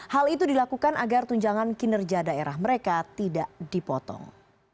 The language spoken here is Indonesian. hal itu dilakukan agar tunjangan kinerja daerah mereka tidak dipotong